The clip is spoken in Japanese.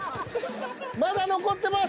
まだ残ってます